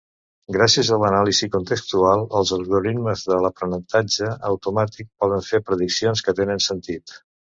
Gràcies a l"anàlisi contextual, els algoritmes d"aprenentatge automàtic poden fer prediccions que tenen sentit.